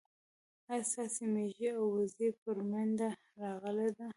ايا ستاسي ميږي او وزې پر مينده راغلې دي